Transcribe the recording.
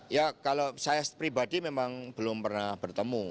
ya kalau saya pribadi memang belum pernah bertemu